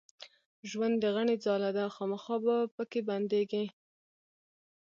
ژوند د غڼي ځاله ده خامخا به پکښې بندېږې